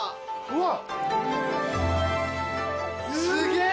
すげえ！